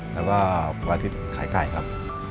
แล้วก็วันอาทิตย์ขายไก่ครับ